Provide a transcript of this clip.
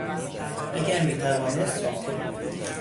اگر میتوانست رفته بود.